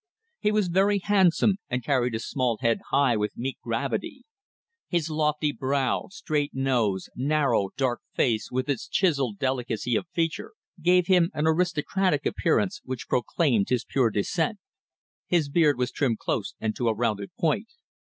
He was very handsome, and carried his small head high with meek gravity. His lofty brow, straight nose, narrow, dark face with its chiselled delicacy of feature, gave him an aristocratic appearance which proclaimed his pure descent. His beard was trimmed close and to a rounded point.